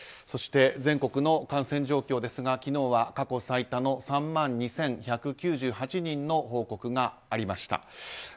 そして全国の感染状況ですが昨日は過去最多の３万２１９８人の報告がありました。